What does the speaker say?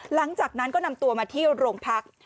หลังจากนั้นก็นำตัวมาที่โรงพัก